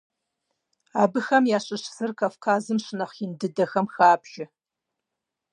Абыхэм ящыщ зыр Кавказым щынэхъ ин дыдэхэм хабжэ.